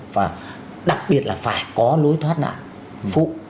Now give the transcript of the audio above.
và đặc biệt là phải có lối thoát nạn vụ